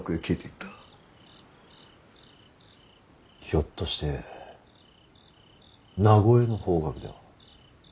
ひょっとして名越の方角では。